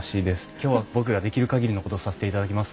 今日は僕ができる限りのことをさせていただきます。